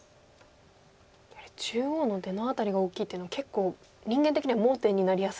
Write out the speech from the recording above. やはり中央の出の辺りが大きいっていうのは結構人間的には盲点になりやすい。